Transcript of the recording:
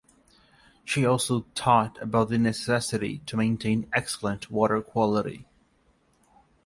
She also taught about the necessity to maintain excellent water quality.